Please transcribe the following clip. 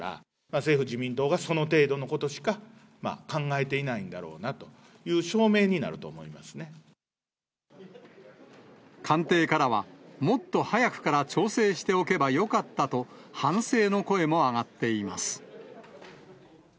政府・自民党がその程度のことしか考えていないんだろうなという官邸からは、もっと早くから調整しておけばよかったと、反省の声も上がっています。